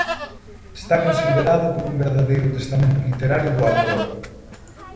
Está considerado como un verdadeiro testamento literario do autor.